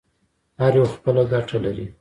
هر یو خپله ګټه لري.